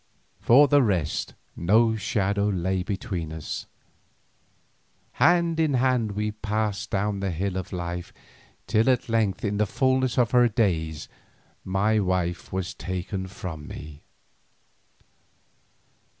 For the rest no shadow lay between us. Hand in hand we passed down the hill of life, till at length in the fulness of her days my wife was taken from me.